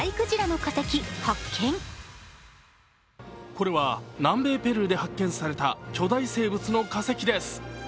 これは南米ペルーで発見された巨大生物の化石です。